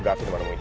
kalian paksa kan